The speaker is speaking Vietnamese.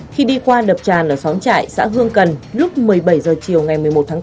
khi đi qua đập tràn ở xóm trại xã hương cần lúc một mươi bảy h chiều ngày một